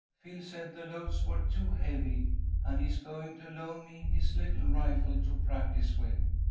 Phil said the loads were too heavy, and he is going to loan me his little rifle to practise with.